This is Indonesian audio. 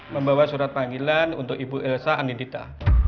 membawa surat panggilan untuk ibu elsa anindita